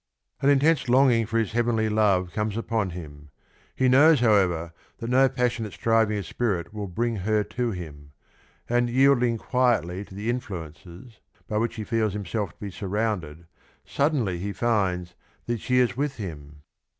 An intense longing for his heavenly love comes upon him; he knows, however, that no passionate striving of spirit will bring her to him, and yielding quietly to the influences by which he feels him self to be surrounded, suddenly he finds that she is with him.